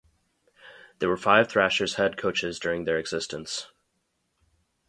There were five Thrashers head coaches during their existence.